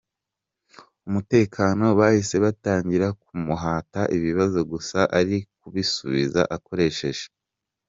umutekano bahise batangira kumuhata ibibazo gusa ari kubisubiza akoresheje.